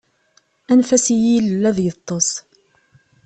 Anef-as i yilel ad yeṭṭes.